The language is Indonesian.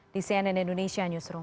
di cnn indonesia newsroom